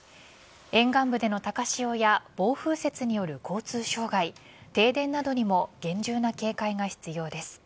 沿岸部での高潮や暴風雪による交通障害停電などにも厳重な警戒が必要です。